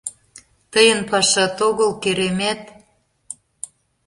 Тыйын пашат огыл, керемет!